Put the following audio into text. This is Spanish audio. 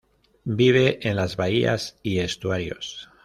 Vive en las bahías y estuarios.